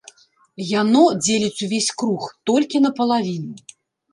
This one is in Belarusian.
Яно дзеліць увесь круг толькі напалавіну.